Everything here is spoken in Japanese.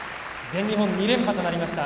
全日本２連覇となりました。